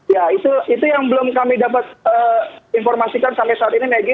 ya itu yang belum kami dapat informasikan sampai saat ini megi